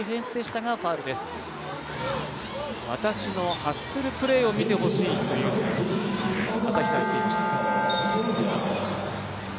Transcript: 私のハッスルプレーを見てほしいと朝比奈は言っていました。